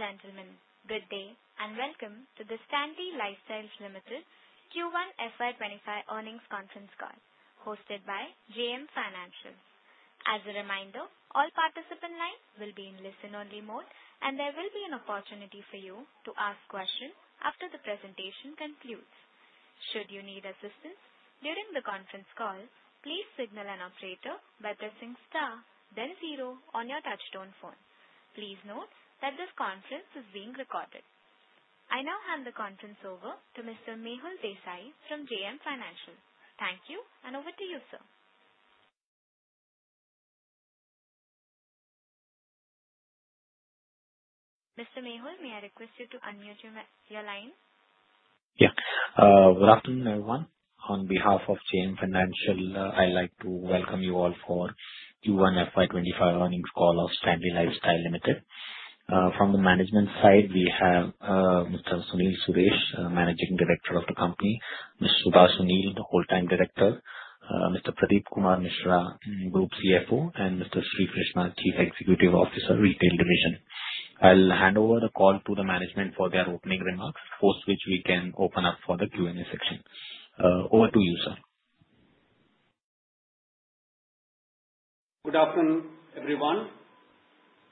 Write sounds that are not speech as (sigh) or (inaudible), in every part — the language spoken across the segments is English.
Ladies and gentlemen, good day and welcome to the Stanley Lifestyles Limited Q1 FY25 earnings conference call hosted by JM Financial. As a reminder, all participant lines will be in listen-only mode and there will be an opportunity for you to ask questions after the presentation concludes. Should you need assistance during the conference call, please signal an operator by pressing star, then zero on your touch-tone phone. Please note that this conference is being recorded. I now hand the conference over to Mr. Mehul Desai from JM Financial. Thank you and over to you, sir. Mr. Mehul, may I request you to unmute your line? Yeah. Good afternoon, everyone. On behalf of JM Financial, I'd like to welcome you all for Q1 FY25 earnings call of Stanley Lifestyles Limited. From the management side, we have Mr. Sunil Suresh, Managing Director of the company, Mr. Subhash Sunil, the Whole-time Director, Mr. Pradeep Kumar Mishra, Group CFO, and Mr. S. Srikrishna, Chief Executive Officer, Retail Division. I'll hand over the call to the management for their opening remarks, post which we can open up for the Q&A section. Over to you, sir. Good afternoon, everyone.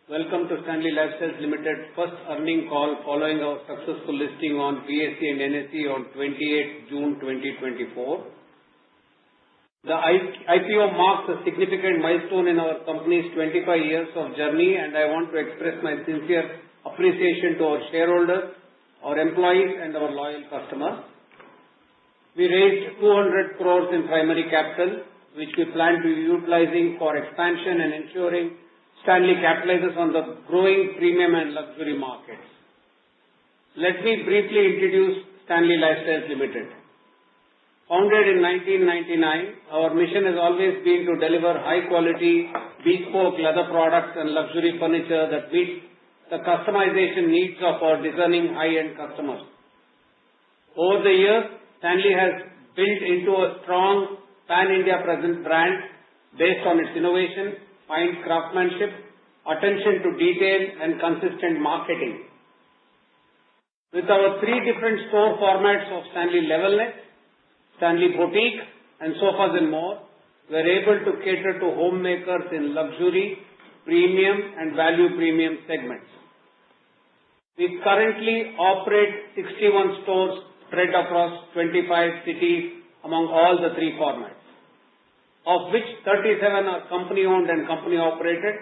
Welcome to Stanley Lifestyles Limited's first earnings call following our successful listing on BSE and NSE on June 28th, 2024. The IPO marks a significant milestone in our company's 25 years of journey, and I want to express my sincere appreciation to our shareholders, our employees, and our loyal customers. We raised 200 crore in primary capital, which we plan to be utilizing for expansion and ensuring Stanley capitalizes on the growing premium and luxury markets. Let me briefly introduce Stanley Lifestyles Limited. Founded in 1999, our mission has always been to deliver high-quality bespoke leather products and luxury furniture that meet the customization needs of our discerning high-end customers. Over the years, Stanley has built into a strong pan-India presence brand based on its innovation, fine craftsmanship, attention to detail, and consistent marketing. With our three different store formats of Stanley Level Next, Stanley Boutique, and Sofas & More, we're able to cater to homemakers in luxury, premium, and value premium segments. We currently operate 61 stores spread across 25 cities among all the three formats, of which 37 are company-owned and company-operated,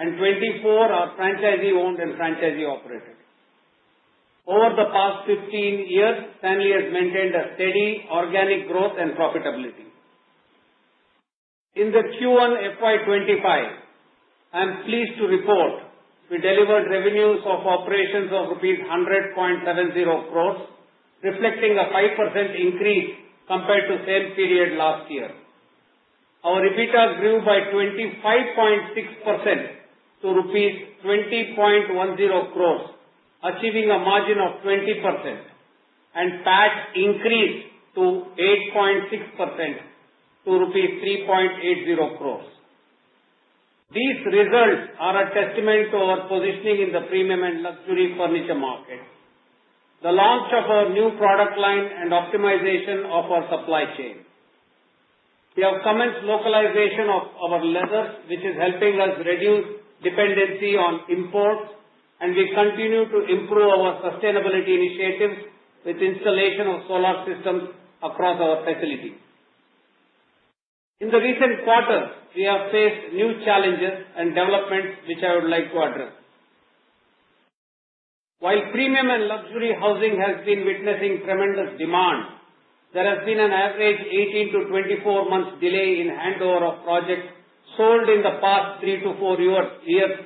and 24 are franchisee-owned and franchisee-operated. Over the past 15 years, Stanley has maintained a steady, organic growth and profitability. In the Q1 FY25, I'm pleased to report we delivered revenues of operations of rupees 100.70 crores, reflecting a 5% increase compared to the same period last year. Our EBITDA grew by 25.6% to rupees 20.10 crores, achieving a margin of 20%, and PAT increased to 8.6% to rupees 3.80 crores. These results are a testament to our positioning in the premium and luxury furniture markets, the launch of our new product line, and optimization of our supply chain. We have commenced localization of our leathers, which is helping us reduce dependency on imports, and we continue to improve our sustainability initiatives with installation of solar systems across our facilities. In the recent quarter, we have faced new challenges and developments which I would like to address. While premium and luxury housing has been witnessing tremendous demand, there has been an average 18-24 months delay in handover of projects sold in the past three-four years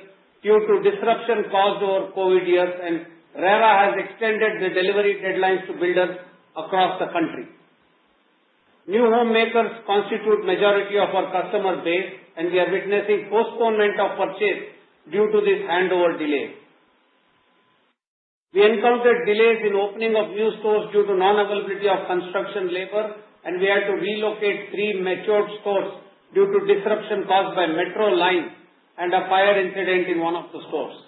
due to disruption caused over COVID years, and RERA has extended the delivery deadlines to builders across the country. New homemakers constitute the majority of our customer base, and we are witnessing postponement of purchase due to this handover delay. We encountered delays in the opening of new stores due to the non-availability of construction labor, and we had to relocate three matured stores due to disruption caused by a metro line and a fire incident in one of the stores.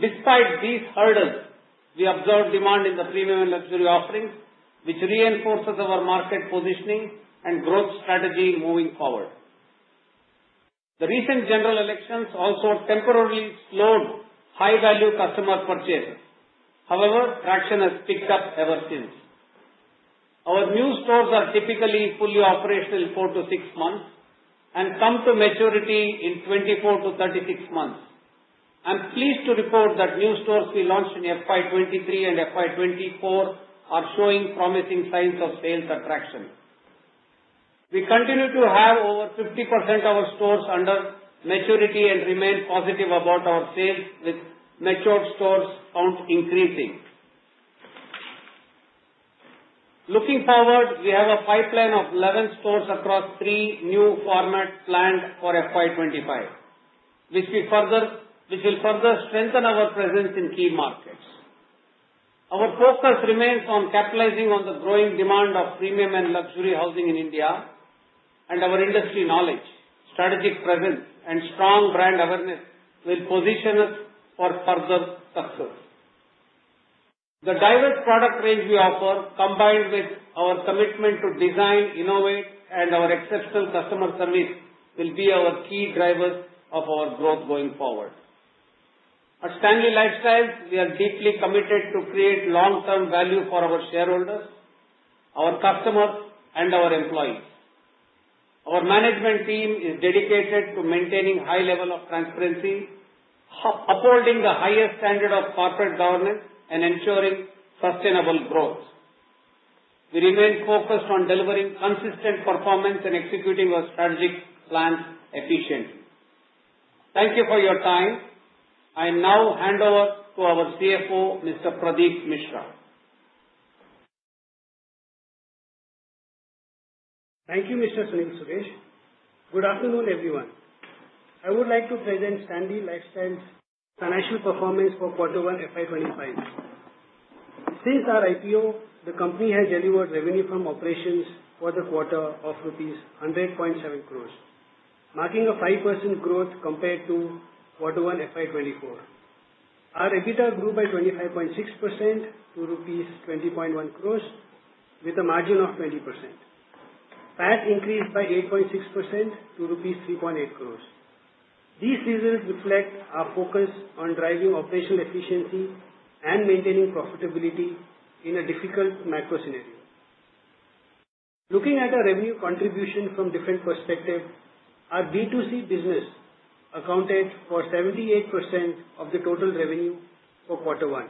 Despite these hurdles, we observed demand in the premium and luxury offerings, which reinforces our market positioning and growth strategy moving forward. The recent general elections also temporarily slowed high-value customer purchases. However, traction has picked up ever since. Our new stores are typically fully operational in four-six months and come to maturity in 24-36 months. I'm pleased to report that new stores we launched in FY23 and FY24 are showing promising signs of sales attraction. We continue to have over 50% of our stores under maturity and remain positive about our sales, with matured stores' count increasing. Looking forward, we have a pipeline of 11 stores across three new formats planned for FY25, which will further strengthen our presence in key markets. Our focus remains on capitalizing on the growing demand of premium and luxury housing in India, and our industry knowledge, strategic presence, and strong brand awareness will position us for further success. The diverse product range we offer, combined with our commitment to design, innovate, and our exceptional customer service, will be our key drivers of our growth going forward. At Stanley Lifestyles, we are deeply committed to creating long-term value for our shareholders, our customers, and our employees. Our management team is dedicated to maintaining a high level of transparency, upholding the highest standards of corporate governance, and ensuring sustainable growth. We remain focused on delivering consistent performance and executing our strategic plans efficiently. Thank you for your time. I now hand over to our CFO, Mr. Pradeep Mishra. Thank you, Mr. Sunil Suresh. Good afternoon, everyone. I would like to present Stanley Lifestyles' financial performance for Q1 FY25. Since our IPO, the company has delivered revenue from operations for the quarter of rupees 100.70 crores, marking a 5% growth compared to Q1 FY24. Our EBITDA grew by 25.6% to rupees 20.10 crores, with a margin of 20%. PAT increased by 8.6% to rupees 3.80 crores. These results reflect our focus on driving operational efficiency and maintaining profitability in a difficult macro scenario. Looking at our revenue contribution from different perspectives, our B2C business accounted for 78% of the total revenue for Q1,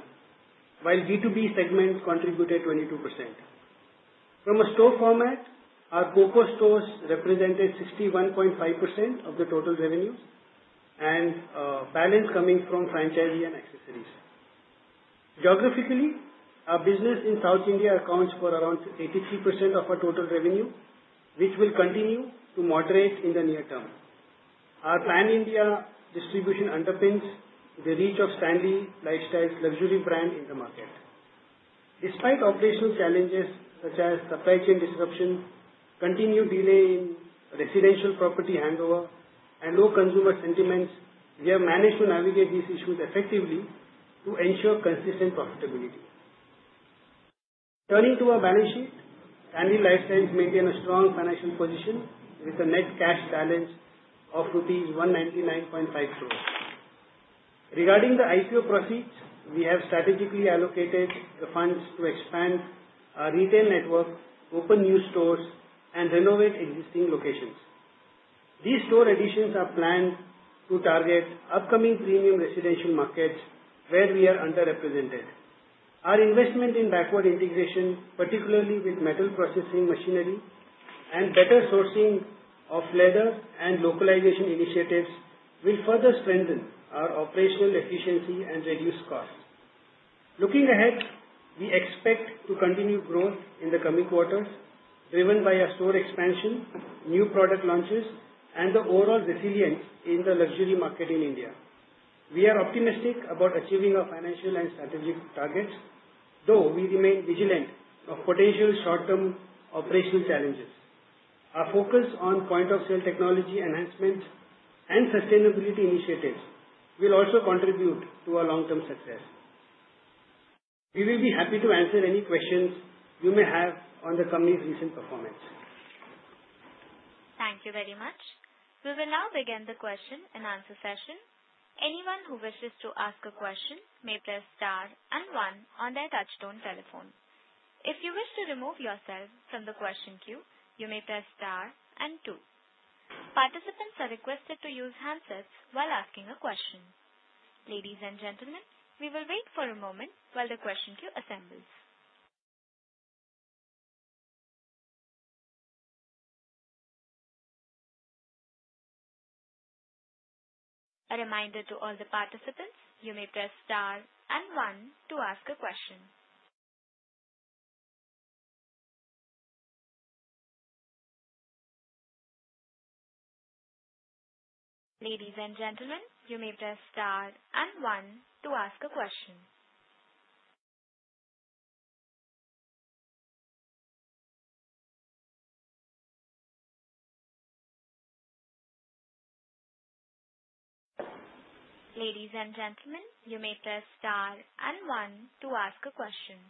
while B2B segments contributed 22%. From a store format, our COCO stores represented 61.5% of the total revenue, and the balance came from franchisee and accessories. Geographically, our business in South India accounts for around 83% of our total revenue, which will continue to moderate in the near term. Our pan-India distribution underpins the reach of Stanley Lifestyles' luxury brand in the market. Despite operational challenges such as supply chain disruption, continued delays in residential property handover, and low consumer sentiments, we have managed to navigate these issues effectively to ensure consistent profitability. Turning to our balance sheet, Stanley Lifestyles maintains a strong financial position with a net cash balance of rupees 199.50 crores. Regarding the IPO proceeds, we have strategically allocated the funds to expand our retail network, open new stores, and renovate existing locations. These store additions are planned to target upcoming premium residential markets where we are underrepresented. Our investment in backward integration, particularly with metal processing machinery and better sourcing of leather and localization initiatives, will further strengthen our operational efficiency and reduce costs. Looking ahead, we expect to continue growth in the coming quarters, driven by our store expansion, new product launches, and the overall resilience in the luxury market in India. We are optimistic about achieving our financial and strategic targets, though we remain vigilant of potential short-term operational challenges. Our focus on point-of-sale technology enhancement and sustainability initiatives will also contribute to our long-term success. We will be happy to answer any questions you may have on the company's recent performance. Thank you very much. We will now begin the question and answer session. Anyone who wishes to ask a question may press star and one on their touchtone telephone. If you wish to remove yourself from the question queue, you may press star and two. Participants are requested to use handsets while asking a question. Ladies and gentlemen, we will wait for a moment while the question queue assembles. A reminder to all the participants: you may press star and one to ask a question. Ladies and gentlemen, you may press star and one to ask a question. Ladies and gentlemen, you may press star and one to ask a question.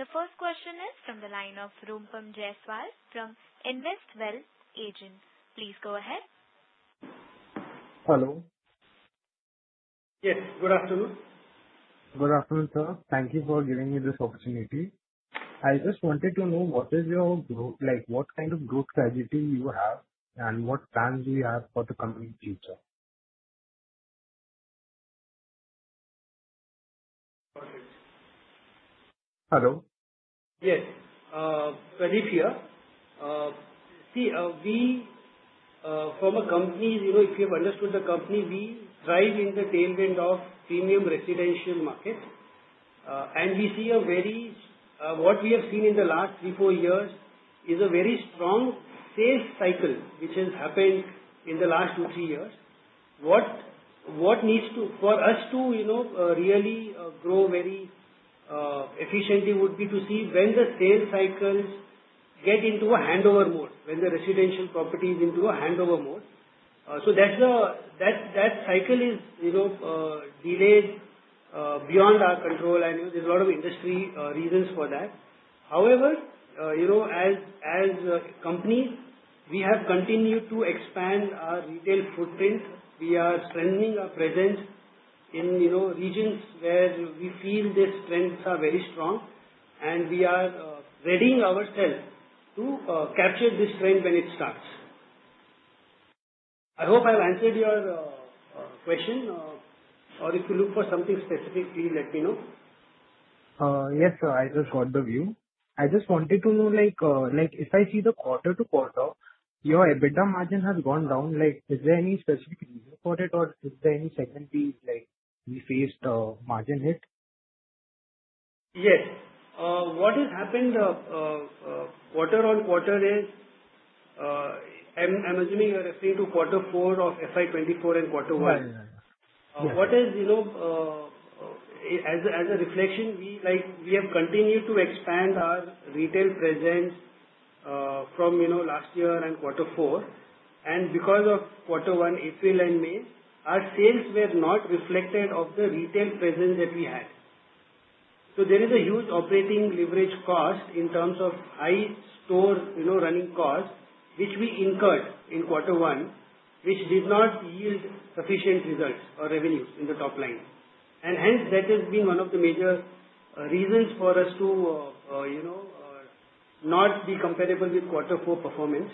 The first question is from the line of Rupam Jaiswal from InvestWell. Please go ahead. Hello. Yes. Good afternoon. Good afternoon, sir. Thank you for giving me this opportunity. I just wanted to know what is your growth what kind of growth strategy you have and what plans do you have for the company's future? Okay. Hello? Yes. Pradeep here. See, from a company if you have understood the company, we drive in the tailwind of premium residential markets, and we see a very what we have seen in the last three, four years is a very strong sales cycle, which has happened in the last two, three years. What needs to for us to really grow very efficiently would be to see when the sales cycles get into a handover mode, when the residential property is into a handover mode. So that cycle is delayed beyond our control, and there's a lot of industry reasons for that. However, as companies, we have continued to expand our retail footprint. We are strengthening our presence in regions where we feel these trends are very strong, and we are readying ourselves to capture this trend when it starts. I hope I've answered your question. Or if you look for something specific, please let me know. Yes, sir. I just got the view. I just wanted to know if I see the quarter-over-quarter, your EBITDA margin has gone down. Is there any specific reason for it, or is there any secondary we faced a margin hit? Yes. What has happened quarter-on-quarter is, I'm assuming you're referring to quarter four of FY24 and quarter one. Right, right, right. As a reflection, we have continued to expand our retail presence from last year and quarter four. Because of quarter one, April and May, our sales were not reflected of the retail presence that we had. There is a huge operating leverage cost in terms of high store running costs, which we incurred in quarter one, which did not yield sufficient results or revenues in the top line. Hence, that has been one of the major reasons for us to not be comparable with quarter four performance.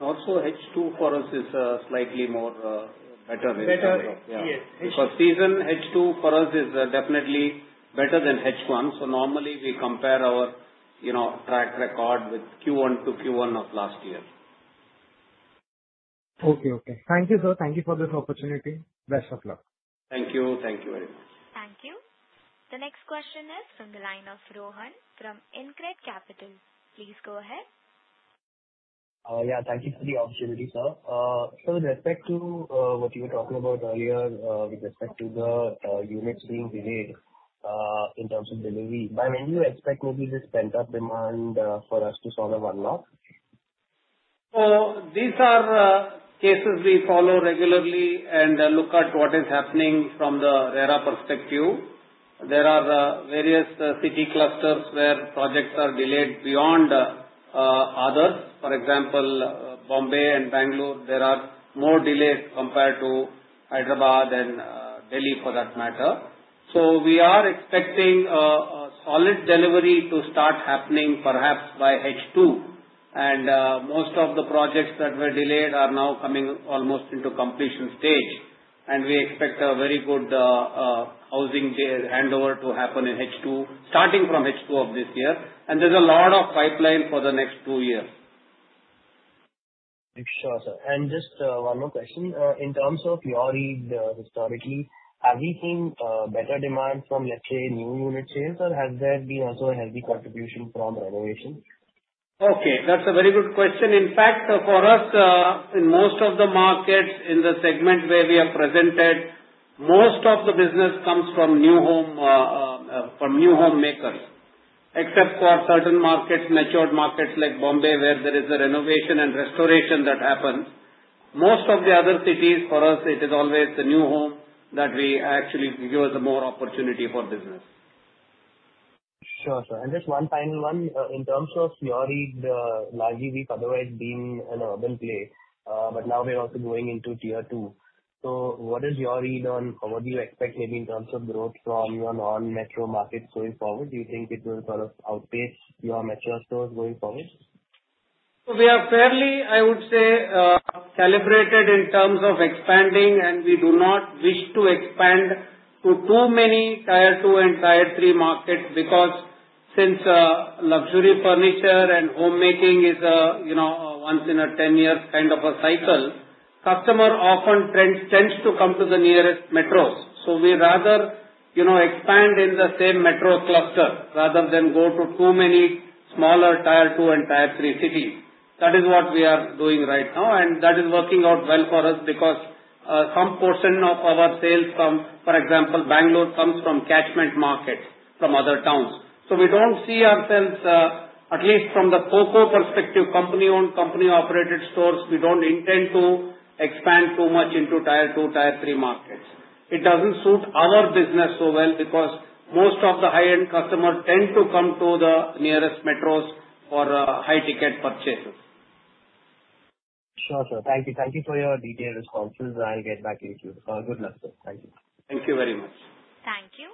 Also, H2 for us is slightly better than quarter four. Better. Yes. H2. Because season H2 for us is definitely better than H1. So normally, we compare our track record with Q1 to Q1 of last year. Okay, okay. Thank you, sir. Thank you for this opportunity. Best of luck. Thank you. Thank you very much. Thank you. The next question is from the line of Rohan from InCred Capital. Please go ahead. Yeah. Thank you for the opportunity, sir. So with respect to what you were talking about earlier, with respect to the units being delayed in terms of delivery, by when do you expect maybe this pent-up demand for us to solve unlock? These are cases we follow regularly and look at what is happening from the RERA perspective. There are various city clusters where projects are delayed beyond others. For example, Bombay and Bangalore, there are more delays compared to Hyderabad and Delhi, for that matter. We are expecting a solid delivery to start happening, perhaps, by H2. Most of the projects that were delayed are now coming almost into completion stage, and we expect a very good housing handover to happen in H2, starting from H2 of this year. There's a lot of pipeline for the next two years. Sure, sir. Just one more question. In terms of your need historically, have we seen better demand from, let's say, new unit sales, or has there been also a heavy contribution from renovation? Okay. That's a very good question. In fact, for us, in most of the markets in the segment where we are presented, most of the business comes from new home makers, except for certain markets, matured markets like Bombay, where there is a renovation and restoration that happens. Most of the other cities, for us, it is always the new home that actually gives more opportunity for business. Sure, sir. Just one final one. In terms of your need, Lahiri has otherwise been an urban place, but now we're also going into tier two. So what is your need on or what do you expect maybe in terms of growth from your non-metro markets going forward? Do you think it will sort of outpace your mature stores going forward? So we are fairly, I would say, calibrated in terms of expanding, and we do not wish to expand to too many tier two and tier three markets because since luxury furniture and homemaking is a once-in-a-10-year kind of a cycle, customer often tends to come to the nearest metros. So we rather expand in the same metro cluster rather than go to too many smaller tier two and tier three cities. That is what we are doing right now, and that is working out well for us because some portion of our sales from, for example, Bangalore comes from catchment markets from other towns. So we don't see ourselves, at least from the COCO perspective, company-owned, company-operated stores. We don't intend to expand too much into tier two, tier three markets. It doesn't suit our business so well because most of the high-end customer tend to come to the nearest metros for high-ticket purchases. Sure, sir. Thank you. Thank you for your detailed responses. I'll get back to you too. Good luck, sir. Thank you. Thank you very much. Thank you.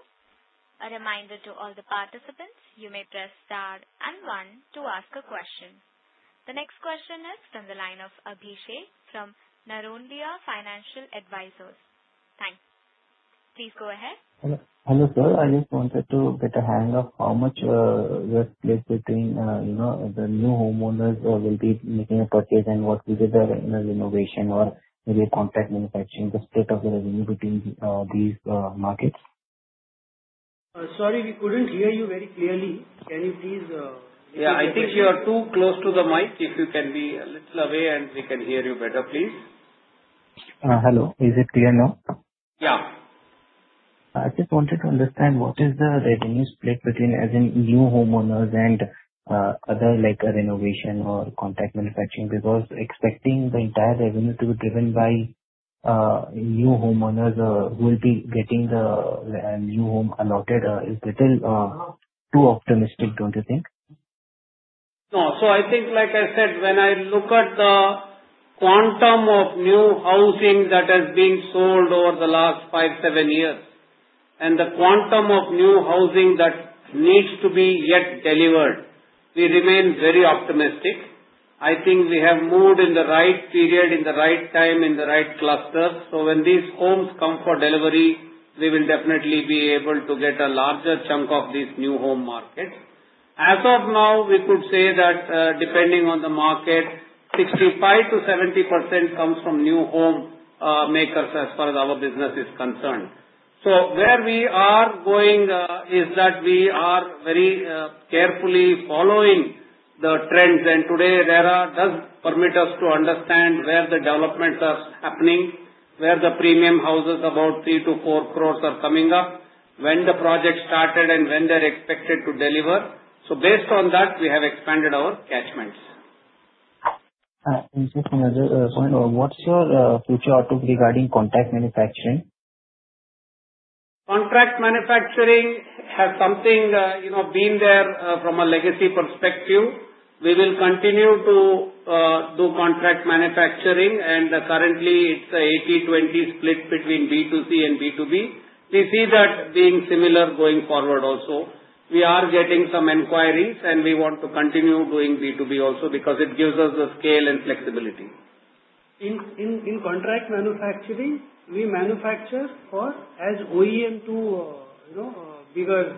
A reminder to all the participants: you may press star and one to ask a question. The next question is from the line of Abhishek from Narnolia Financial Advisors. Thanks. Please go ahead. Hello, sir. I just wanted to get a hang of how much you have placed between the new homeowners who will be making a purchase and what will be the renovation or maybe a contract manufacturing, the split of the revenue between these markets? Sorry, we couldn't hear you very clearly. Can you please make it clearer? Yeah. I think you are too close to the mic. If you can be a little away, and we can hear you better, please. Hello. Is it clear now? Yeah. I just wanted to understand what is the revenue split between, as in, new homeowners and other renovation or contract manufacturing because expecting the entire revenue to be driven by new homeowners who will be getting the new home allotted is a little too optimistic, don't you think? No. So I think, like I said, when I look at the quantum of new housing that has been sold over the last five-seven years and the quantum of new housing that needs to be yet delivered, we remain very optimistic. I think we have moved in the right period, in the right time, in the right cluster. So when these homes come for delivery, we will definitely be able to get a larger chunk of these new home markets. As of now, we could say that, depending on the market, 65%-70% comes from new home makers as far as our business is concerned. So where we are going is that we are very carefully following the trends. And today, RERA does permit us to understand where the developments are happening, where the premium houses about 3 crore-4 crore are coming up, when the projects started, and when they're expected to deliver. So based on that, we have expanded our catchments. Just another point. What's your future outlook regarding contract manufacturing? Contract manufacturing has been there from a legacy perspective. We will continue to do contract manufacturing, and currently, it's an 80/20 split between B2C and B2B. We see that being similar going forward also. We are getting some inquiries, and we want to continue doing B2B also because it gives us the scale and flexibility. In contract manufacturing, we manufacture as OEM to bigger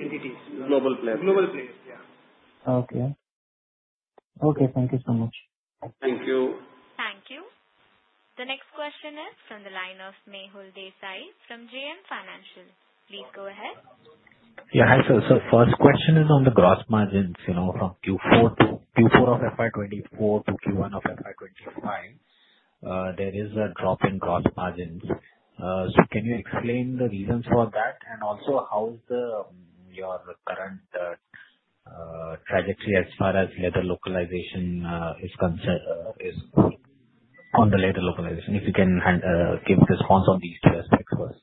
entities. Global players. Global players, yeah. Okay. Okay. Thank you so much. Thank you. Thank you. The next question is from the line of Mehul Desai from JM Financial. Please go ahead. Yeah. Hi, sir. So first question is on the gross margins from Q4 of FY2024 to Q1 of FY2025. There is a drop in gross margins. So can you explain the reasons for that, and also how is your current trajectory as far as leather localization is on the leather localization? If you can give response on these two aspects first.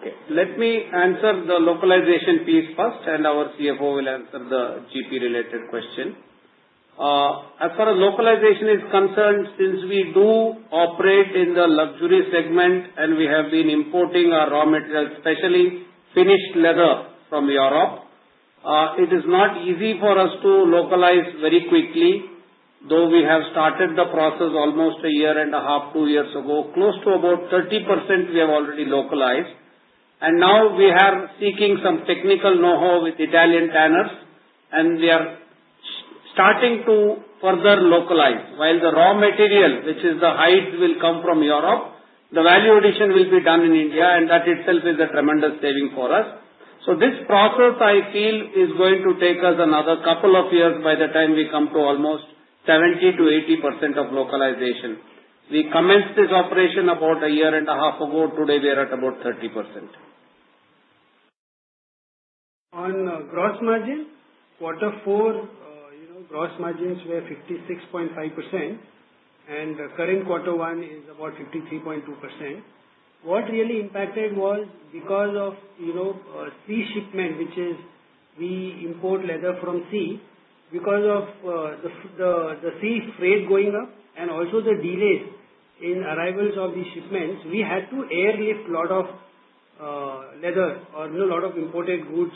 Okay. Let me answer the localization piece first, and our CFO will answer the GP-related question. As far as localization is concerned, since we do operate in the luxury segment and we have been importing our raw materials, especially finished leather from Europe, it is not easy for us to localize very quickly. Though we have started the process almost a year and a half, two years ago, close to about 30% we have already localized. And now we are seeking some technical know-how with Italian tanners, and we are starting to further localize. While the raw material, which is the hides, will come from Europe, the value addition will be done in India, and that itself is a tremendous saving for us. So this process, I feel, is going to take us another couple of years by the time we come to almost 70%-80% of localization. We commenced this operation about a year and a half ago. Today, we are at about 30%. On gross margin, quarter four, gross margins were 56.5%, and current quarter one is about 53.2%. What really impacted was because of sea shipment, which is we import leather from sea. Because of the sea freight going up and also the delays in arrivals of these shipments, we had to airlift a lot of leather or a lot of imported goods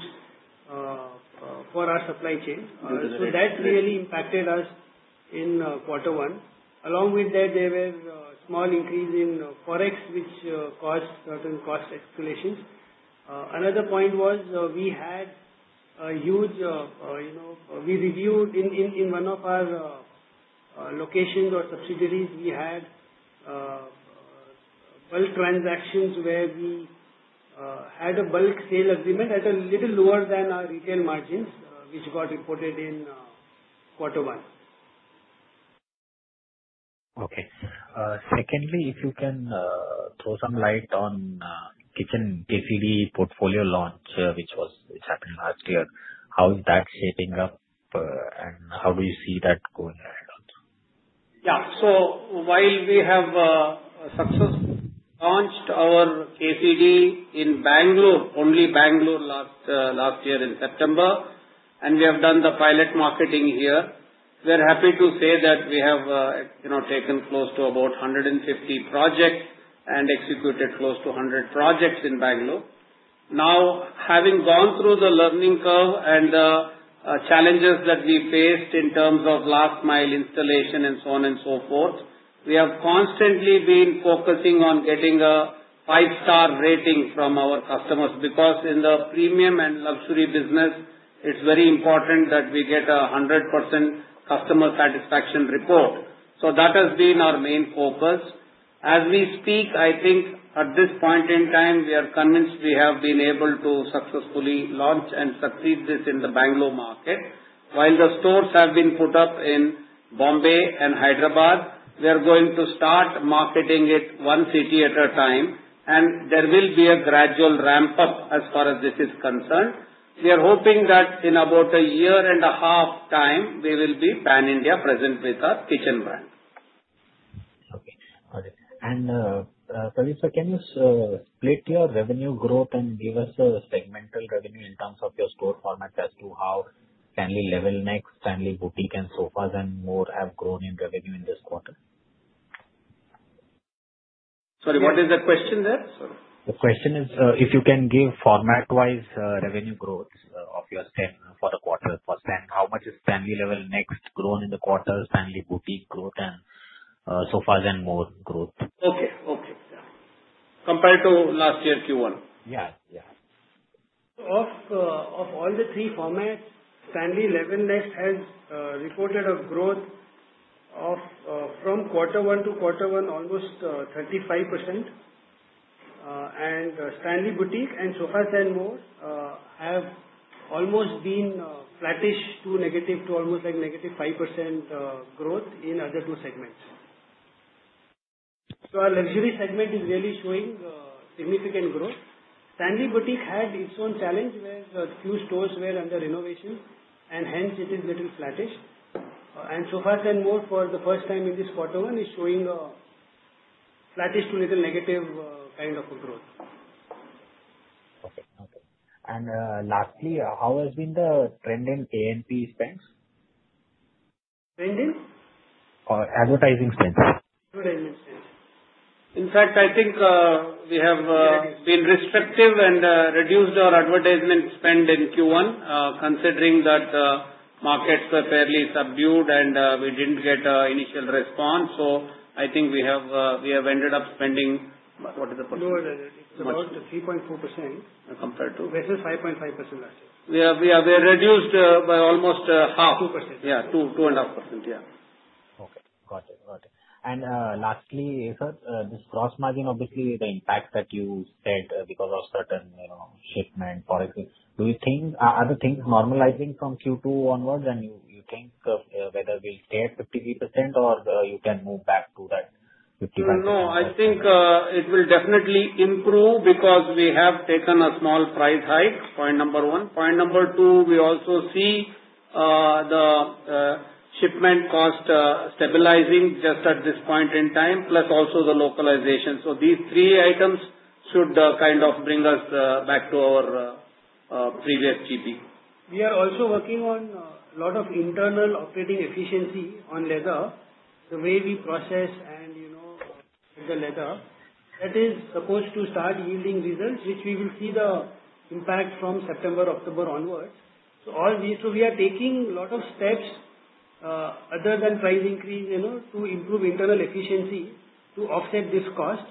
for our supply chain. So that really impacted us in quarter one. Along with that, there were small increases in forex, which caused certain cost escalations. Another point was, we had a huge review in one of our locations or subsidiaries. We had bulk transactions where we had a bulk sale agreement at a little lower than our retail margins, which got reported in quarter one. Okay. Secondly, if you can throw some light on Kitchen KCD portfolio launch, which happened last year, how is that shaping up, and how do you see that going ahead also? Yeah. So while we have successfully launched our KCD in Bangalore, only Bangalore last year in September, and we have done the pilot marketing here, we're happy to say that we have taken close to about 150 projects and executed close to 100 projects in Bangalore. Now, having gone through the learning curve and the challenges that we faced in terms of last-mile installation and so on and so forth, we have constantly been focusing on getting a five-star rating from our customers because in the premium and luxury business, it's very important that we get a 100% customer satisfaction report. So that has been our main focus. As we speak, I think at this point in time, we are convinced we have been able to successfully launch and succeed this in the Bangalore market. While the stores have been put up in Bombay and Hyderabad, we are going to start marketing it one city at a time, and there will be a gradual ramp-up as far as this is concerned. We are hoping that in about a year and a half time, we will be pan-India present with our kitchen brand. Okay. Got it. And Pradeep, sir, can you split your revenue growth and give us a segmental revenue in terms of your store format as to how Stanley Level Next, Stanley Boutique, and Sofas and More have grown in revenue in this quarter? Sorry. What is the question there? Sorry. The question is if you can give format-wise revenue growth for the quarter. For Stanley, how much has Stanley Level Next grown in the quarter, Stanley Boutique growth, and Sofas & More growth? Okay. Okay. Yeah. Compared to last year Q1? Yeah. Yeah. So of all the three formats, Stanley Level Next has reported a growth from quarter one to quarter one almost 35%, and Stanley Boutique and Sofas & More have almost been flattish to negative to almost like negative 5% growth in other two segments. So our luxury segment is really showing significant growth. Stanley Boutique had its own challenge where a few stores were under renovations, and hence, it is a little flattish. Sofas & More, for the first time in this quarter one, is showing flattish to a little negative kind of growth. Okay. Okay. Lastly, how has been the trend in A&P spends? Trend in? Advertising spends. Advertising spends. In fact, I think we have been restrictive and reduced our advertisement spend in Q1 considering that markets were fairly subdued, and we didn't get initial response. So I think we have ended up spending what is the percentage? Much. It's about 3.4%. Compared to? Versus 5.5% last year. We have reduced by almost half. 2 percent. Yeah. 2.5%. Yeah. Okay. Got it. Got it. Lastly, sir, this gross margin, obviously, the impact that you said because of certain shipment, forex, are the things normalizing from Q2 onwards, and you think whether we'll stay at 53% or you can move back to that 55%? No. I think it will definitely improve because we have taken a small price hike, point number one. Point number two, we also see the shipment cost stabilizing just at this point in time, plus also the localization. So these three items should kind of bring us back to our previous GP. We are also working on a lot of internal operating efficiency on leather, the way we process and the leather. That is supposed to start yielding results, which we will see the impact from September, October onwards. So we are taking a lot of steps other than price increase to improve internal efficiency to offset this cost.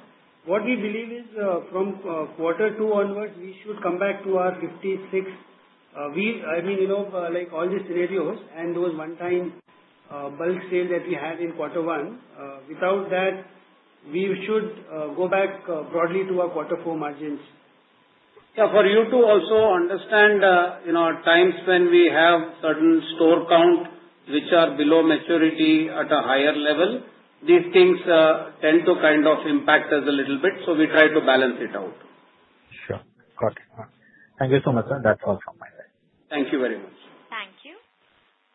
What we believe is from quarter two onwards, we should come back to our 56 I mean, all these scenarios and those one-time bulk sales that we had in quarter one. Without that, we should go back broadly to our quarter four margins. Yeah. For you to also understand times when we have certain store counts which are below maturity at a higher level, these things tend to kind of impact us a little bit. So we try to balance it out. Sure. Got it. Thank you so much, sir. That's all from my side. Thank you very much. Thank you.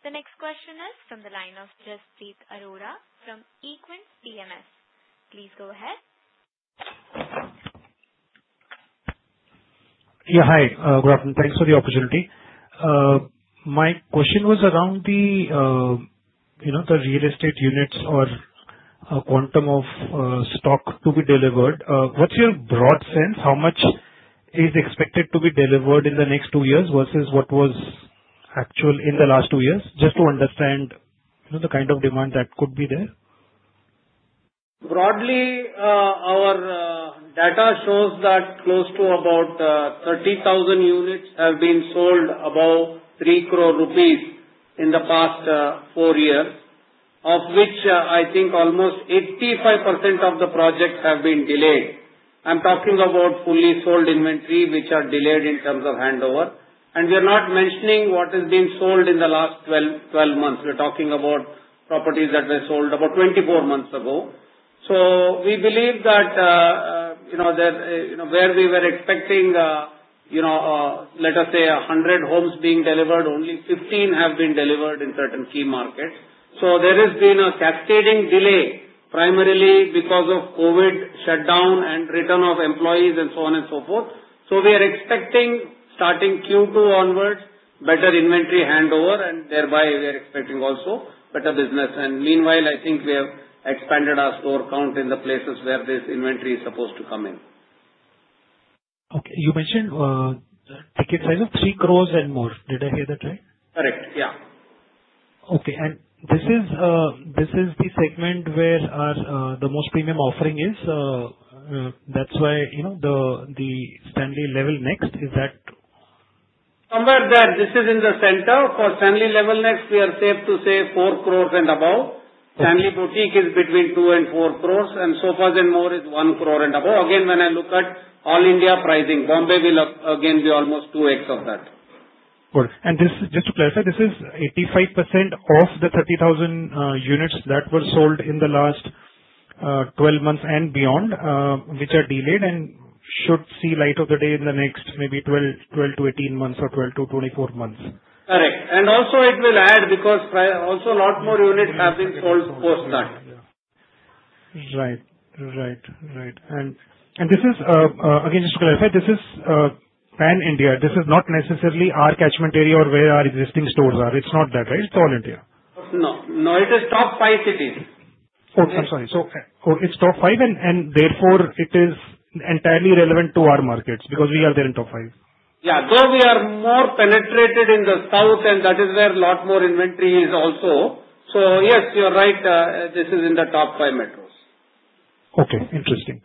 The next question is from the line of Jaspreet Arora from Equentis PMS. Please go ahead. Yeah. Hi. Good afternoon. Thanks for the opportunity. My question was around the real estate units or quantum of stock to be delivered. What's your broad sense? How much is expected to be delivered in the next two years versus what was actual in the last two years? Just to understand the kind of demand that could be there. Broadly, our data shows that close to about 30,000 units have been sold above 3 crore rupees in the past four years, of which I think almost 85% of the projects have been delayed. I'm talking about fully sold inventory, which are delayed in terms of handover. We are not mentioning what has been sold in the last 12 months. We're talking about properties that were sold about 24 months ago. So we believe that where we were expecting, let us say, 100 homes being delivered, only 15 have been delivered in certain key markets. So there has been a cascading delay, primarily because of COVID shutdown and return of employees and so on and so forth. So we are expecting, starting Q2 onwards, better inventory handover, and thereby, we are expecting also better business. Meanwhile, I think we have expanded our store count in the places where this inventory is supposed to come in. Okay. You mentioned ticket size of 3 crore and more. Did I hear that right? Correct. Yeah. Okay. This is the segment where the most premium offering is. That's why the Stanley Level Next is that? Somewhere there. This is in the center. For Stanley Level Next, we are safe to say 4 crore and above. Stanley Boutique is between 2 crore and 4 crore, and Sofas & More is 1 crore and above. Again, when I look at all-India pricing, Bombay, again, will be almost 2x of that. Good. And just to clarify, this is 85% of the 30,000 units that were sold in the last 12 months and beyond, which are delayed and should see light of the day in the next maybe 12-18 months or 12-24 months? Correct. Also, it will add because also a lot more units have been sold post that. Right. Right. Right. And again, just to clarify, this is pan-India. This is not necessarily our catchment area or where our existing stores are. It's not that, right? It's all-India. No. No. It is top five cities. Oh, I'm sorry. It's top five, and therefore, it is entirely relevant to our markets because we are there in top five. Yeah. Though we are more penetrated in the south, and that is where a lot more inventory is also. So yes, you're right. This is in the top five metros. Okay. Interesting.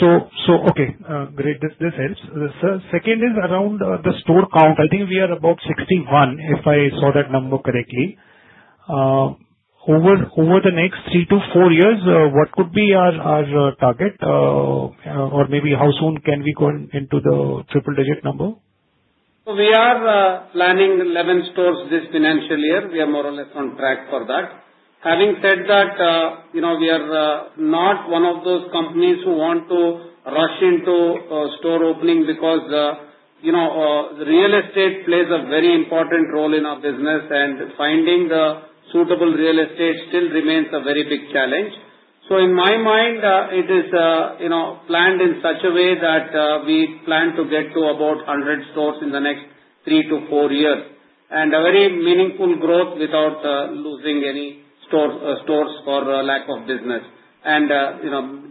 So okay. Great. This helps. The second is around the store count. I think we are about 61, if I saw that number correctly. Over the next three-four years, what could be our target, or maybe how soon can we go into the triple-digit number? So we are planning 11 stores this financial year. We are more or less on track for that. Having said that, we are not one of those companies who want to rush into store opening because real estate plays a very important role in our business, and finding the suitable real estate still remains a very big challenge. So in my mind, it is planned in such a way that we plan to get to about 100 stores in the next three-four years and a very meaningful growth without losing any stores for lack of business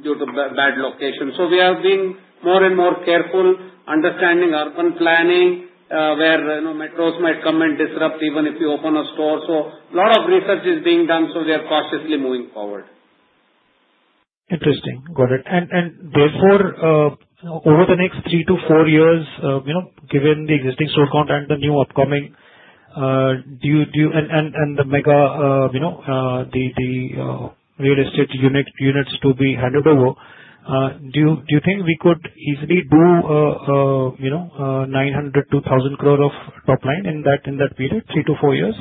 due to bad location. So we have been more and more careful, understanding urban planning where metros might come and disrupt even if you open a store. So a lot of research is being done, so we are cautiously moving forward. Interesting. Got it. Therefore, over the next three-four years, given the existing store count and the new upcoming and the mega real estate units to be handed over, do you think we could easily do 900-1,000 crore of top line in that period, three-four years?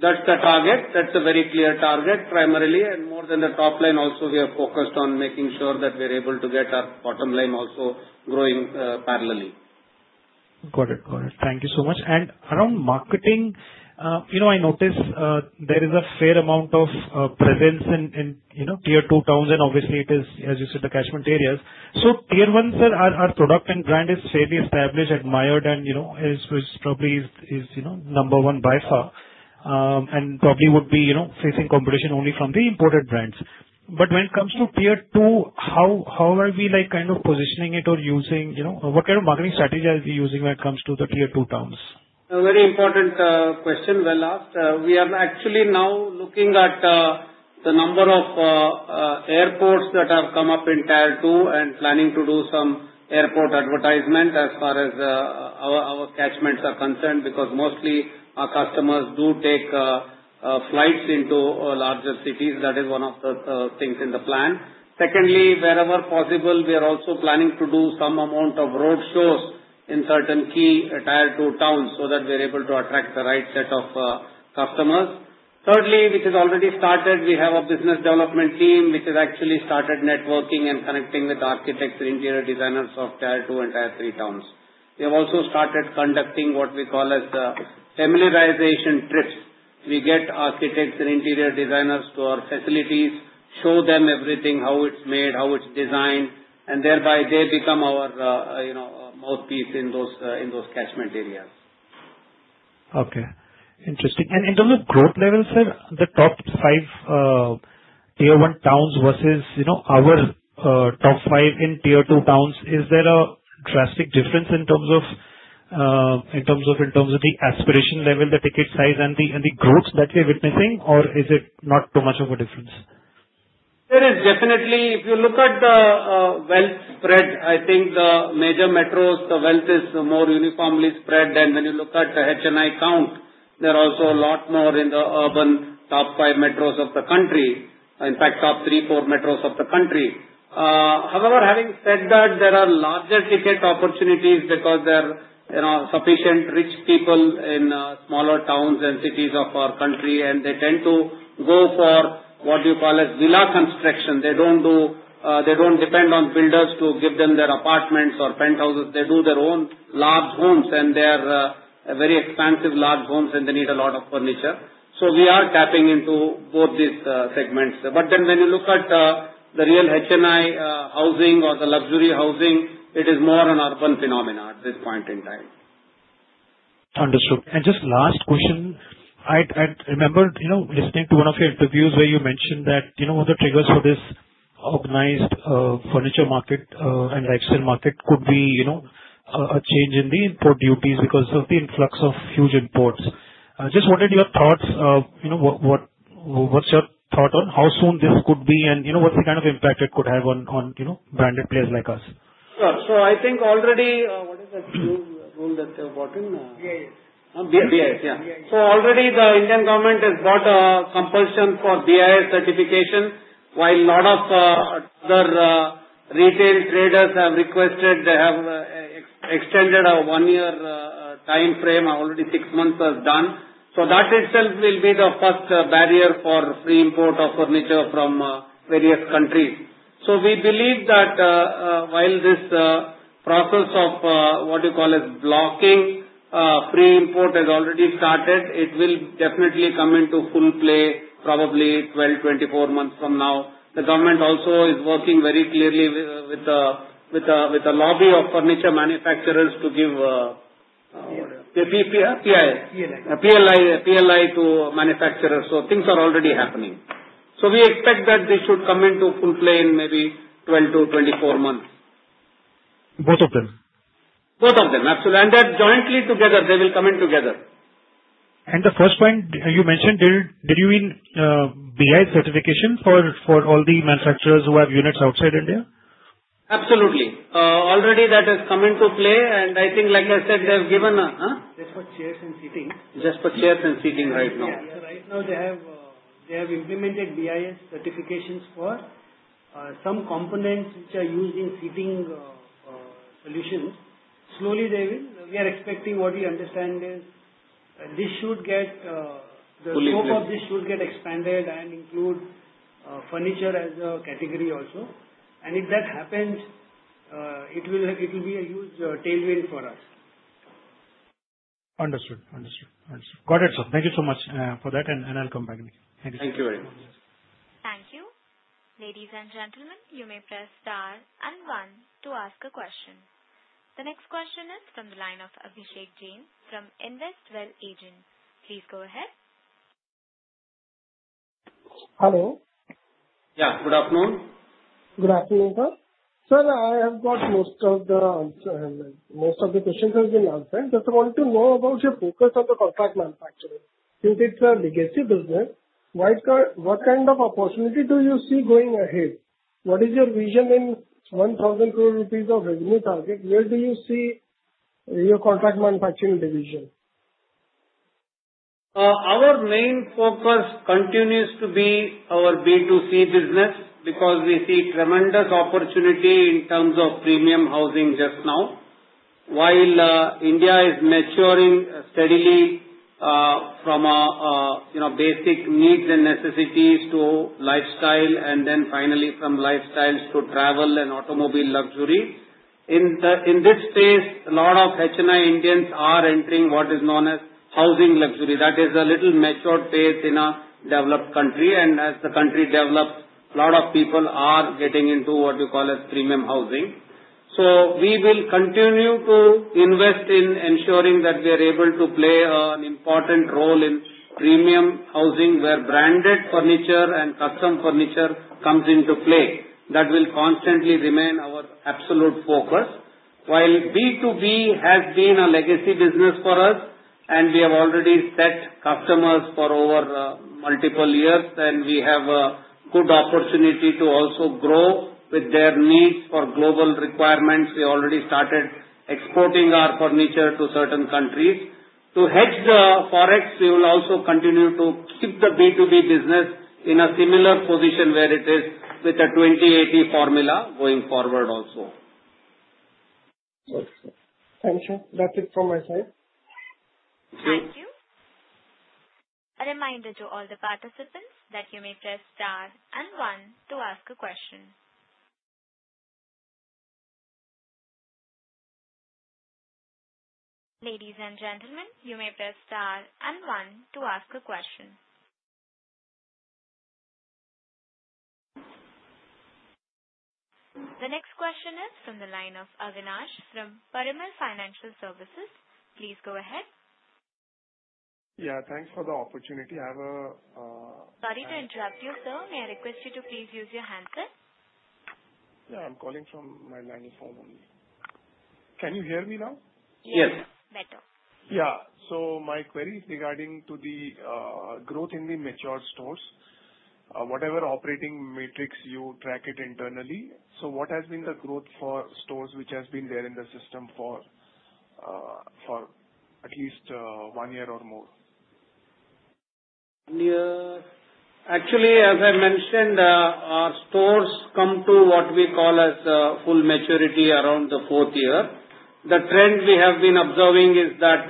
That's the target. That's a very clear target, primarily. More than the top line, also, we are focused on making sure that we are able to get our bottom line also growing parallelly. Got it. Got it. Thank you so much. And around marketing, I notice there is a fair amount of presence in tier two towns, and obviously, it is, as you said, the catchment areas. So tier one, sir, our product and brand is fairly established, admired, and probably is number one by far and probably would be facing competition only from the imported brands. But when it comes to tier two, how are we kind of positioning it or using what kind of marketing strategy are we using when it comes to the tier two towns? Very important question. Well asked. We are actually now looking at the number of airports that have come up in tier two and planning to do some airport advertisement as far as our catchments are concerned because mostly, our customers do take flights into larger cities. That is one of the things in the plan. Secondly, wherever possible, we are also planning to do some amount of road shows in certain key tier two towns so that we are able to attract the right set of customers. Thirdly, which has already started, we have a business development team which has actually started networking and connecting with architects and interior designers of tier two and tier three towns. We have also started conducting what we call as the familiarization trips. We get architects and interior designers to our facilities, show them everything, how it's made, how it's designed, and thereby, they become our mouthpiece in those catchment areas. Okay. Interesting. In terms of growth level, sir, the top five tier one towns versus our top five in tier two towns, is there a drastic difference in terms of the aspiration level, the ticket size, and the growth that we are witnessing, or is it not too much of a difference? There is definitely. If you look at the wealth spread, I think the major metros, the wealth is more uniformly spread. When you look at the HNI count, there are also a lot more in the urban top five metros of the country, in fact, top three, four metros of the country. However, having said that, there are larger ticket opportunities because there are sufficient rich people in smaller towns and cities of our country, and they tend to go for what you call as villa construction. They don't depend on builders to give them their apartments or penthouses. They do their own large homes, and they are very expansive large homes, and they need a lot of furniture. We are tapping into both these segments. But then when you look at the real HNI housing or the luxury housing, it is more an urban phenomenon at this point in time. Understood. And just last question. I remember listening to one of your interviews where you mentioned that one of the triggers for this organized furniture market and lifestyle market could be a change in the import duties because of the influx of huge imports. Just wanted your thoughts. What's your thought on how soon this could be, and what's the kind of impact it could have on branded players like us? Sure. I think already what is that new rule that they have brought in? BIS. BIS. (crosstalk) Yeah. So already, the Indian government has brought a compulsion for BIS certification while a lot of other retail traders have requested they have extended our one-year time frame. Already, six months has done. So that itself will be the first barrier for free import of furniture from various countries. So we believe that while this process of what you call as blocking free import has already started, it will definitely come into full play probably 12, 24 months from now. The government also is working very clearly with a lobby of furniture manufacturers to give PLI. PLI. PLI to manufacturers. So things are already happening. So we expect that this should come into full play in maybe 12-24 months. Both of them? Both of them. Absolutely. And that jointly together, they will come in together. The first point you mentioned, did you mean BIS certification for all the manufacturers who have units outside India? Absolutely. Already, that has come into play. And I think, like I said, they have given a. Just for chairs and seating? Just for chairs and seating right now. Yeah. So right now, they have implemented BIS certifications for some components which are used in seating solutions. Slowly, they will. We are expecting what we understand is this should get the scope of this should get expanded and include furniture as a category also. And if that happens, it will be a huge tailwind for us. Understood. Understood. Understood. Got it, sir. Thank you so much for that, and I'll come back again. Thank you. Thank you very much. Thank you. Ladies and gentlemen, you may press star and one to ask a question. The next question is from the line of Abhishek Jain from InvestWell Agents. Please go ahead. Hello. Yeah. Good afternoon. Good afternoon, sir. Sir, I have got most of the answers. Most of the questions have been answered. Just wanted to know about your focus on the contract manufacturing. Since it's a legacy business, what kind of opportunity do you see going ahead? What is your vision in 1,000 crore rupees of revenue target? Where do you see your contract manufacturing division? Our main focus continues to be our B2C business because we see tremendous opportunity in terms of premium housing just now while India is maturing steadily from basic needs and necessities to lifestyle, and then finally, from lifestyle to travel and automobile luxury. In this phase, a lot of HNI Indians are entering what is known as housing luxury. That is a little matured phase in a developed country. And as the country develops, a lot of people are getting into what we call as premium housing. So we will continue to invest in ensuring that we are able to play an important role in premium housing where branded furniture and custom furniture comes into play. That will constantly remain our absolute focus while B2B has been a legacy business for us, and we have already set customers for over multiple years, and we have a good opportunity to also grow with their needs for global requirements. We already started exporting our furniture to certain countries. To hedge the forex, we will also continue to keep the B2B business in a similar position where it is with a 20/80 formula going forward also. Thank you, sir. That's it from my side. Thank you. Thank you. A reminder to all the participants that you may press star and one to ask a question. Ladies and gentlemen, you may press star and one to ask a question. The next question is from the line of Avinash from Parimal Financial Services. Please go ahead. Yeah. Thanks for the opportunity. I have a. Sorry to interrupt you, sir. May I request you to please use your handset? Yeah. I'm calling from my landline phone only. Can you hear me now? Yes. Better. Yeah. So my query is regarding to the growth in the matured stores, whatever operating matrix you track it internally. So what has been the growth for stores which has been there in the system for at least one year or more? Actually, as I mentioned, our stores come to what we call as full maturity around the fourth year. The trend we have been observing is that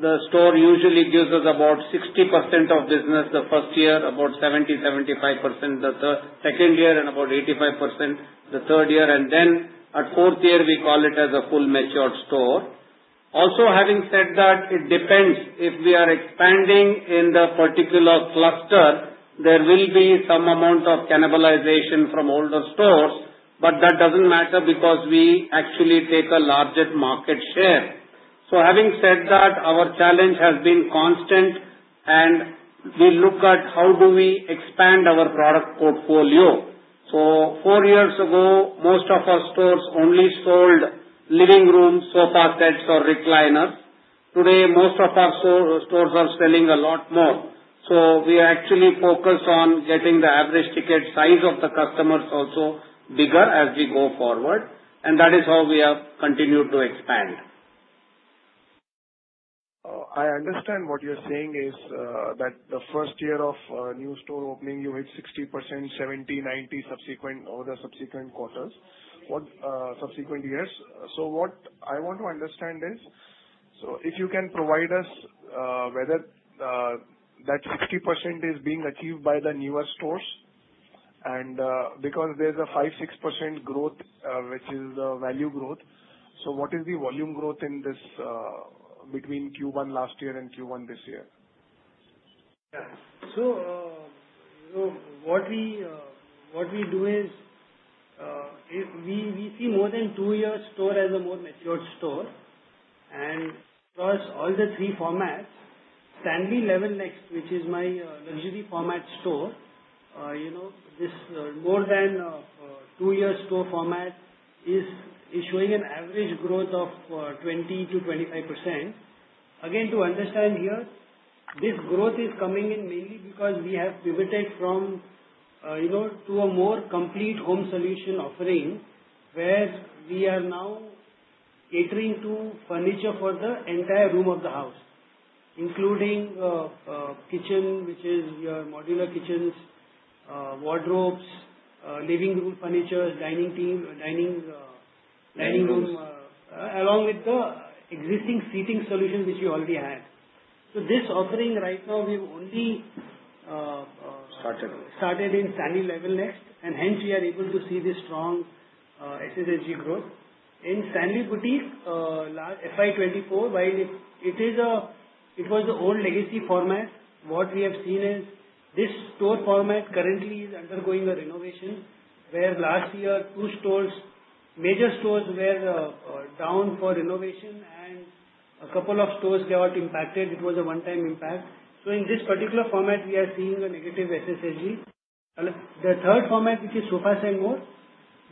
the store usually gives us about 60% of business the first year, about 70%-75% the second year, and about 85% the third year. Then at fourth year, we call it as a fully matured store. Also, having said that, it depends. If we are expanding in the particular cluster, there will be some amount of cannibalization from older stores, but that doesn't matter because we actually take a larger market share. Having said that, our challenge has been constant, and we look at how do we expand our product portfolio. Four years ago, most of our stores only sold living room sofa sets or recliners. Today, most of our stores are selling a lot more. We are actually focused on getting the average ticket size of the customers also bigger as we go forward, and that is how we have continued to expand. I understand what you're saying is that the first year of new store opening, you hit 60%, 70%, 90% over the subsequent quarters, subsequent years. So what I want to understand is, so if you can provide us whether that 60% is being achieved by the newer stores because there's a 5%, 6% growth which is the value growth. So what is the volume growth between Q1 last year and Q1 this year? Yeah. So what we do is we see more than two-year store as a more matured store. And across all the three formats, Stanley Level Next, which is my luxury format store, this more than two-year store format is showing an average growth of 20%-25%. Again, to understand here, this growth is coming in mainly because we have pivoted to a more complete home solution offering where we are now catering to furniture for the entire room of the house, including kitchen, which is your modular kitchens, wardrobes, living room furniture, dining room, along with the existing seating solution which we already had. So this offering right now, we've only. Started. Started in Stanley Level Next, and hence, we are able to see this strong SSSG growth. In Stanley Boutique FY24, while it was the old legacy format, what we have seen is this store format currently is undergoing a renovation where last year, two major stores were down for renovation, and a couple of stores got impacted. It was a one-time impact. So in this particular format, we are seeing a negative SSSG. The third format, which is Sofas & More,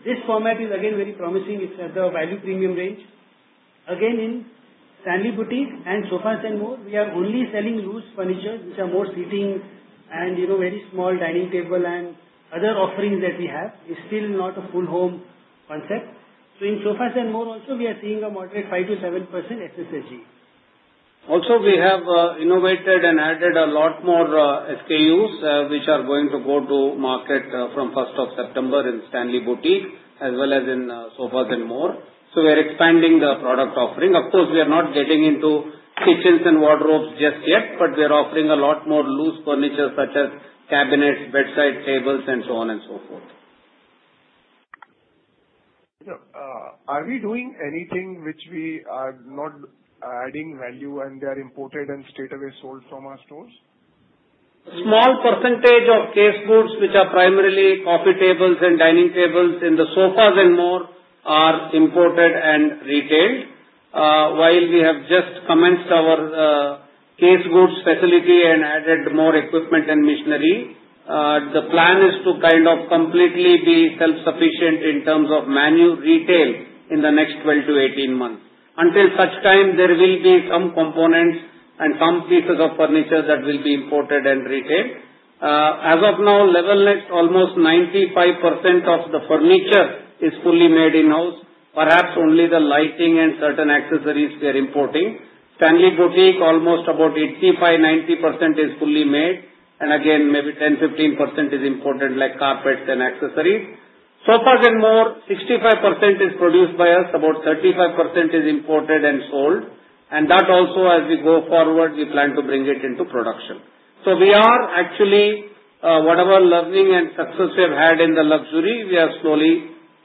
this format is again very promising. It's at the value premium range. Again, in Stanley Boutique and Sofas & More, we are only selling loose furniture which are more seating and very small dining table and other offerings that we have. It's still not a full home concept. So in Sofas & More also, we are seeing a moderate 5%-7% SSSG. Also, we have innovated and added a lot more SKUs which are going to go to market from 1st of September in Stanley Boutique as well as in Sofas & More. So we are expanding the product offering. Of course, we are not getting into kitchens and wardrobes just yet, but we are offering a lot more loose furniture such as cabinets, bedside tables, and so on and so forth. Are we doing anything which we are not adding value, and they are imported and straight away sold from our stores? A small percentage of case goods which are primarily coffee tables and dining tables in the Sofas & More are imported and retailed. While we have just commenced our case goods facility and added more equipment and machinery, the plan is to kind of completely be self-sufficient in terms of manufacturing in the next 12-18 months. Until such time, there will be some components and some pieces of furniture that will be imported and retailed. As of now, Level Next, almost 95% of the furniture is fully made in-house. Perhaps only the lighting and certain accessories we are importing. Stanley Boutique, almost about 85%-90% is fully made. And again, maybe 10%-15% is imported, like carpets and accessories. Sofas & More, 65% is produced by us. About 35% is imported and sold. That also, as we go forward, we plan to bring it into production. So we are actually whatever learning and success we have had in the luxury, we are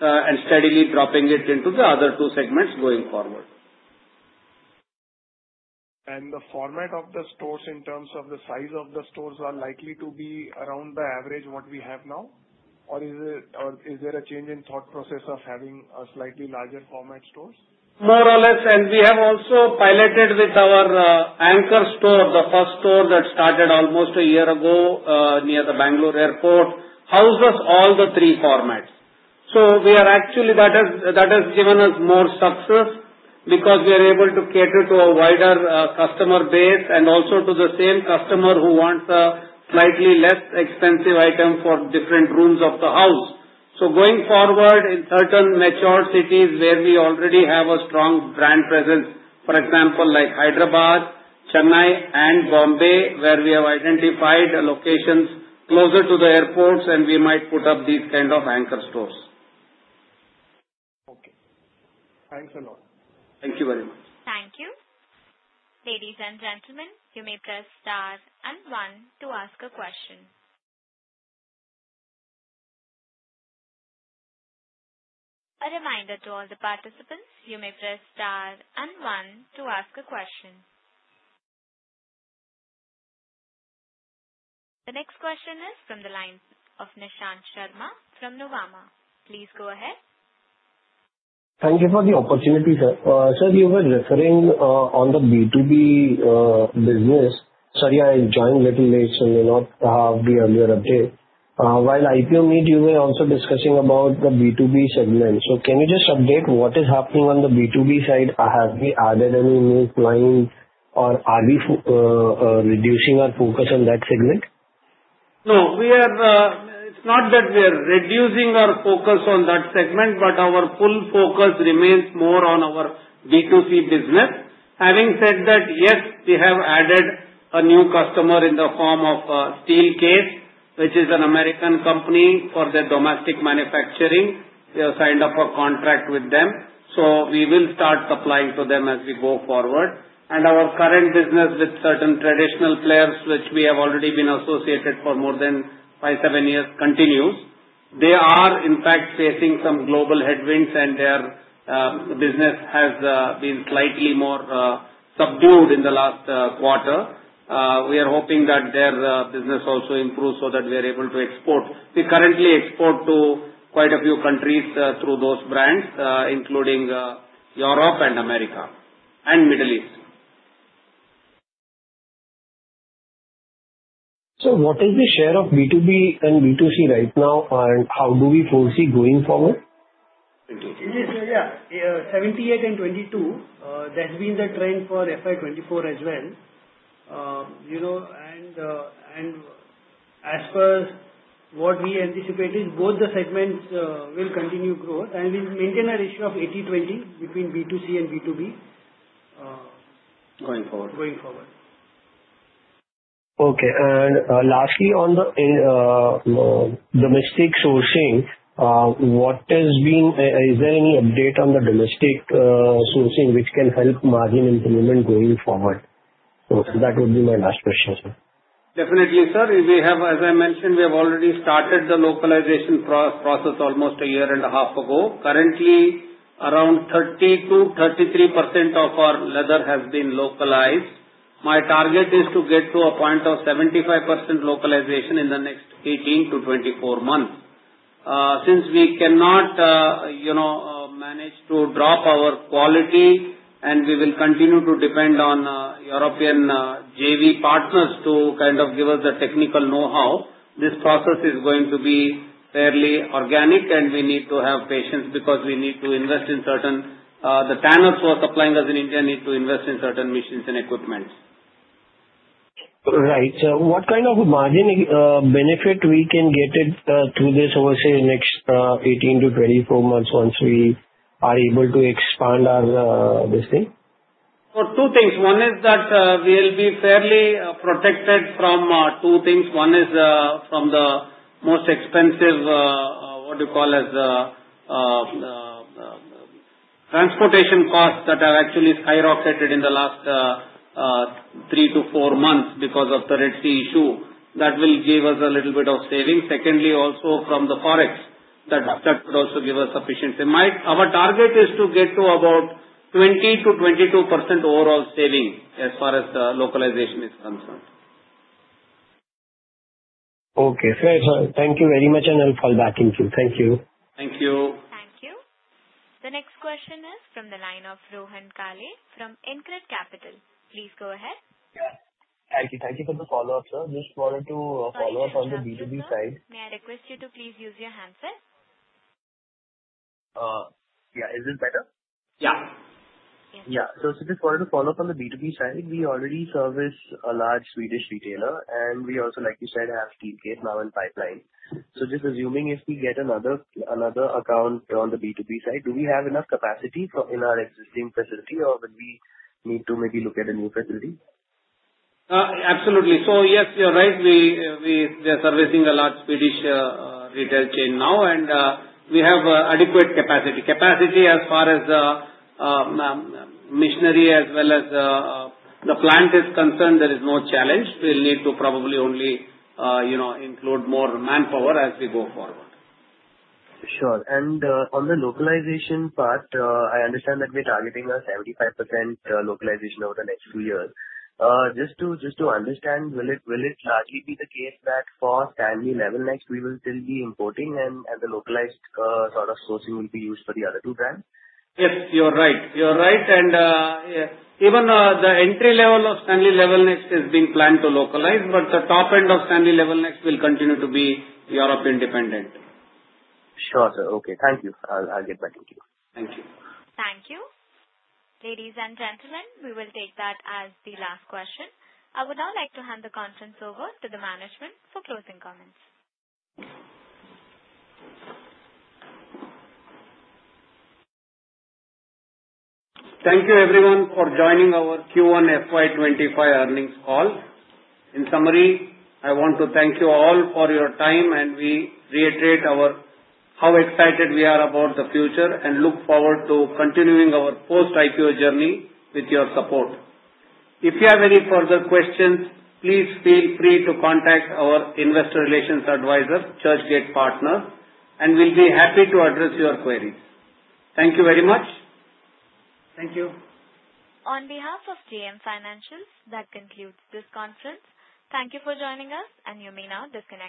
slowly and steadily dropping it into the other two segments going forward. The format of the stores in terms of the size of the stores are likely to be around the average what we have now, or is there a change in thought process of having slightly larger format stores? More or less. We have also piloted with our anchor store, the first store that started almost a year ago near the Bangalore airport, houses all the three formats. Actually, that has given us more success because we are able to cater to a wider customer base and also to the same customer who wants a slightly less expensive item for different rooms of the house. Going forward, in certain matured cities where we already have a strong brand presence, for example, like Hyderabad, Chennai, and Bombay, where we have identified locations closer to the airports, and we might put up these kind of anchor stores. Okay. Thanks a lot. Thank you very much. Thank you. Ladies and gentlemen, you may press star and one to ask a question. A reminder to all the participants, you may press star and one to ask a question. The next question is from the line of Nishant Sharma from Nuvama. Please go ahead. Thank you for the opportunity, sir. Sir, you were referring on the B2B business. Sorry, I joined a little late, so may not have the earlier update. While IPO meet, you were also discussing about the B2B segment. So can you just update what is happening on the B2B side? Have we added any new client, or are we reducing our focus on that segment? No. It's not that we are reducing our focus on that segment, but our full focus remains more on our B2C business. Having said that, yes, we have added a new customer in the form of Steelcase, which is an American company for their domestic manufacturing. We have signed up a contract with them, so we will start supplying to them as we go forward. Our current business with certain traditional players, which we have already been associated for more than 5, 7 years, continues. They are, in fact, facing some global headwinds, and their business has been slightly more subdued in the last quarter. We are hoping that their business also improves so that we are able to export. We currently export to quite a few countries through those brands, including Europe and America and Middle East. What is the share of B2B and B2C right now, and how do we foresee going forward? Yeah. 78 and 22, that's been the trend for FY24 as well. As per what we anticipate is both the segments will continue growth, and we'll maintain a ratio of 80/20 between B2C and B2B. Going forward. Going forward. Okay. Lastly, on the domestic sourcing, is there any update on the domestic sourcing which can help margin improvement going forward? That would be my last question, sir. Definitely, sir. As I mentioned, we have already started the localization process almost a year and a half ago. Currently, around 30%-33% of our leather has been localized. My target is to get to a point of 75% localization in the next 18-24 months. Since we cannot manage to drop our quality, and we will continue to depend on European JV partners to kind of give us the technical know-how, this process is going to be fairly organic, and we need to have patience because we need to invest in certain the tanners who are supplying us in India need to invest in certain machines and equipment. Right. What kind of margin benefit we can get through this overseas next 18-24 months once we are able to expand this thing? So two things. One is that we'll be fairly protected from two things. One is from the most expensive, what do you call it, transportation costs that have actually skyrocketed in the last three-four months because of the Red Sea issue. That will give us a little bit of savings. Secondly, also from the forex. That could also give us sufficiency. Our target is to get to about 20%-22% overall savings as far as the localization is concerned. Okay. Fair, sir. Thank you very much, and I'll fall back in too. Thank you. Thank you. Thank you. The next question is from the line of Rohan Kalle from InCred Capital. Please go ahead. Yeah. Thank you. Thank you for the follow-up, sir. Just wanted to follow up on the B2B side. May I request you to please use your handset? Yeah. Is this better? Yeah. Yeah. So just wanted to follow up on the B2B side. We already service a large Swedish retailer, and we also, like you said, have Steelcase now in pipeline. So just assuming if we get another account on the B2B side, do we have enough capacity in our existing facility, or will we need to maybe look at a new facility? Absolutely. So yes, you're right. We are servicing a large Swedish retail chain now, and we have adequate capacity. Capacity as far as machinery as well as the plant is concerned, there is no challenge. We'll need to probably only include more manpower as we go forward. Sure. And on the localization part, I understand that we're targeting a 75% localization over the next few years. Just to understand, will it largely be the case that for Stanley Level Next, we will still be importing, and the localized sort of sourcing will be used for the other two brands? Yes, you're right. You're right. And even the entry level of Stanley Level Next is being planned to localize, but the top end of Stanley Level Next will continue to be Europe independent. Sure, sir. Okay. Thank you. I'll get back to you. Thank you. Thank you. Ladies and gentlemen, we will take that as the last question. I would now like to hand the conference over to the management for closing comments. Thank you, everyone, for joining our Q1 FY25 earnings call. In summary, I want to thank you all for your time, and we reiterate how excited we are about the future and look forward to continuing our post-IPO journey with your support. If you have any further questions, please feel free to contact our investor relations advisor, Churchgate Partners, and we'll be happy to address your queries. Thank you very much. Thank you. On behalf of JM Financial, that concludes this conference. Thank you for joining us, and you may now disconnect.